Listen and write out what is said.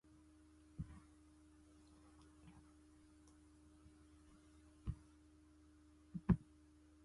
柳川西路